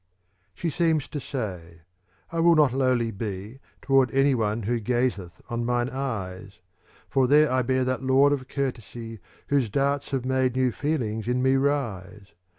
She seems to say, " I will not lowly be Toward any one who gazeth on mine eyes; For there I bear that Lord of courtesy " Whose darts have made new feelings in me rise."